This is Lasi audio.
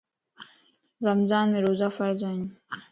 رمضان مَ روزا فرض ائين